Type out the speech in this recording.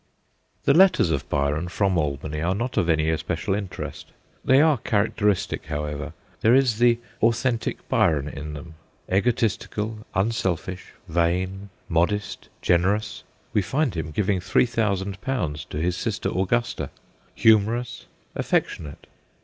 The letters of Byron from Albany are not of any especial interest. They are charac teristic, however; there is the authentic Byron in them, egotistical, unselfish, vain, modest, generous we find him giving" 3000 to his sister Augusta humorous, affectionate.